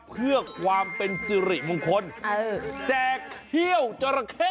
เพื่อความเป็นสิริมงคลแจกเฮี่ยวจราเข้